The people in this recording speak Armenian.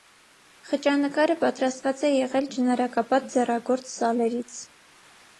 Խճանկարը պատրաստված է եղել ջնարակապատ ձեռագործ սալերից։